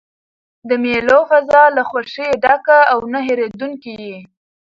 د مېلو فضا له خوښۍ ډکه او نه هېردونکې يي.